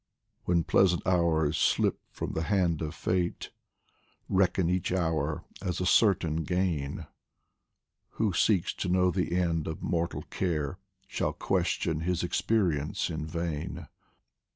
When pleasant hours slip from the hand of Fate, Reckon each hour as a certain gain ; Who seeks to know the end of mortal care Shall question his experience in vain.